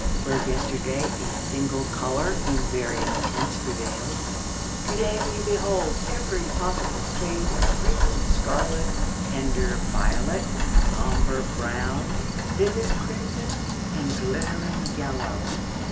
Where yesterday a single colour in various tints prevailed, to day we behold every possible shade of brilliant scarlet, tender violet, sombre brown, vivid crimson, and glittering yellow.